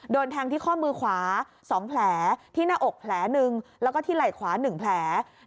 โดนแทงที่ข้อมือขวา๒แผลที่หน้าอกแผลหนึ่งแล้วก็ที่ไหล่ขวา๑แผล